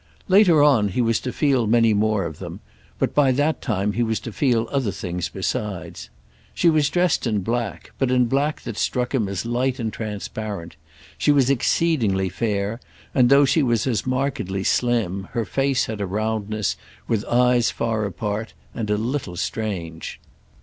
Later on he was to feel many more of them, but by that time he was to feel other things besides. She was dressed in black, but in black that struck him as light and transparent; she was exceedingly fair, and, though she was as markedly slim, her face had a roundness, with eyes far apart and a little strange.